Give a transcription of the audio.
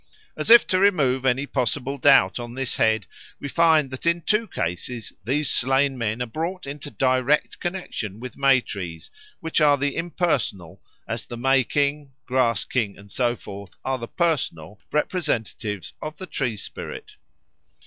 As if to remove any possible doubt on this head, we find that in two cases these slain men are brought into direct connexion with May trees, which are the impersonal, as the May King, Grass King, and so forth, are the personal representatives of the tree spirit.